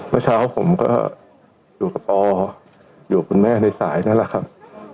เมื่อเช้าผมก็อยู่กับปออยู่คุณแม่ในสายนั่นแหละครับ